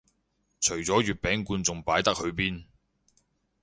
除咗月餅罐仲擺得去邊